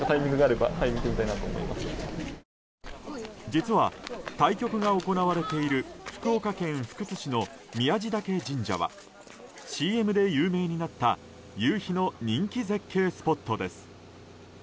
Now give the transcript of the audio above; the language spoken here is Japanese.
実は対局が行われている福岡県福津市の宮地嶽神社はＣＭで有名になった夕日の人気絶景スポットです。